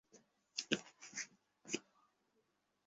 কিন্তু চাইলে অন্দরে ছোট পরিসরেই বানিয়ে নিতে পারেন ছোট্ট একটা অফিস।